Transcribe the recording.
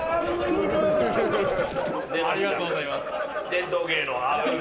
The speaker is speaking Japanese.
伝統芸能。